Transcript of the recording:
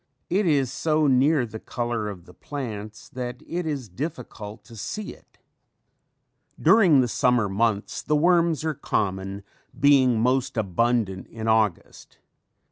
It is so near the color of the plants that it is difficult to see it. [Illustration: Young tomato worm.] During the summer months the worms are common, being most abundant in August.